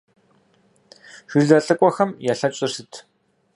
Жылэ лӀыкӀуэхэм ялъэкӀыр сыт?